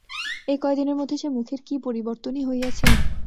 এই কয়দিনের মধ্যে সে মুখের কী পরিবর্তনই হইয়াছে!